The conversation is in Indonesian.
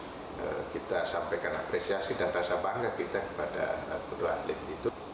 apa yang dicapai saya kira itu perlu disyukuri dan kita sampaikan apresiasi dan rasa bangga kita kepada kedua atlet itu